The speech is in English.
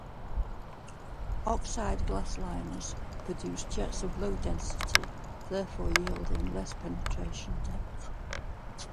Oxide glass liners produce jets of low density, therefore yielding less penetration depth.